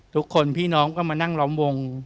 ทุกคนพี่น้องก็มานั่งล้อมวง